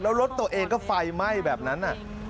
แล้วรถตัวเองก็ไฟไหม้แบบนั้น